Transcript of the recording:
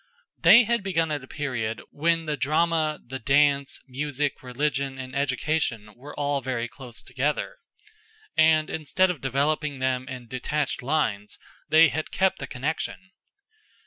They had begun at a period when the drama, the dance, music, religion, and education were all very close together; and instead of developing them in detached lines, they had kept the connection.